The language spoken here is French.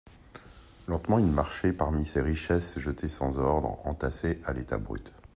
Lentement, il marchait parmi ces richesses jetées sans ordre, entassées à l'état brut.